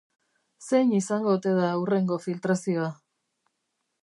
Zein izango ote da hurrengo filtrazioa?